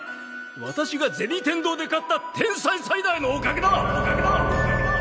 私が銭天堂で買った天才サイダーのおかげだ！